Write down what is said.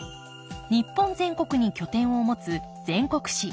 日本全国に拠点を持つ全国紙。